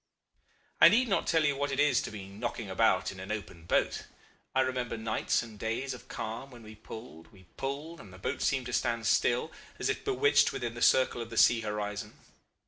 "I need not tell you what it is to be knocking about in an open boat. I remember nights and days of calm when we pulled, we pulled, and the boat seemed to stand still, as if bewitched within the circle of the sea horizon.